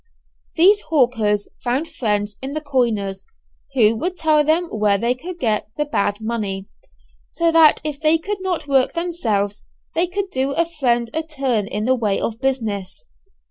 These hawkers found friends in the coiners, who would tell them where they could get the bad money, so that if they could not work themselves they could do a friend a turn in the way of business.